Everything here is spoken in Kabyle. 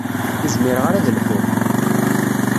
Ur zmireɣ ara ad lḥuɣ.